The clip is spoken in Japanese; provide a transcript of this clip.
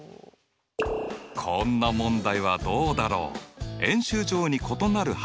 こんな問題はどうだろう？